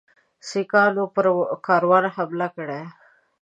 سیکهانو پر کاروان حمله کړې.